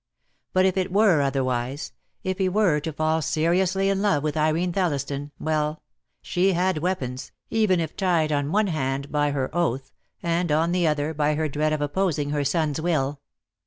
But if it were otherwise — if he were to fall seriously in love with Irene Thelliston, well — she had weapons, even if tied on one hand by her oath, and on the other by her dread of opposing her son's will.